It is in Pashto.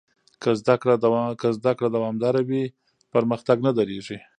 که زده کړه دوامداره وي، پرمختګ نه درېږي.